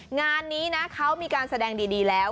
งานนี้นะเขามีการแสดงดีแล้ว